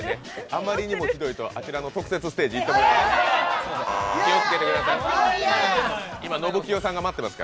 あまりにもひどいと、あちらの特設ステージに行っていただきます。